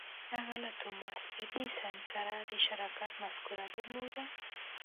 هغه له توماس ایډېسن سره د شراکت مفکوره درلوده.